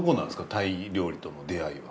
タイ料理との出会いは。